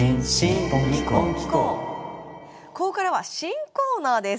ここからは新コーナーです。